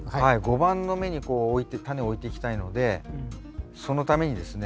碁盤の目にこう置いてタネを置いていきたいのでそのためにですね